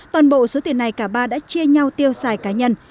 toàn bộ số tiền này cả ba đã chia nhau tiêu xài cá nhân